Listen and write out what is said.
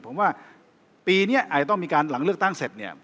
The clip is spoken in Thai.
ผมว่าปีนี้อาจจะต้องมีการหลังเลือกตั้งเสร็จเนี่ย